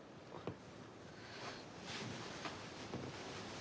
あ。